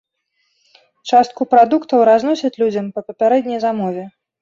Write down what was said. Частку прадуктаў разносяць людзям па папярэдняй замове.